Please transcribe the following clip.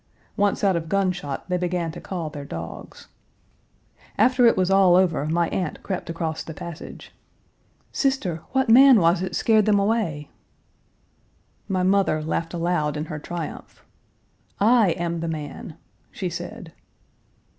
Once out of gunshot, they began to call their dogs. After it was all over my aunt crept across the Page 244 passage. "Sister, what man was it scared them away?" My mother laughed aloud in her triumph. "I am the man," she said.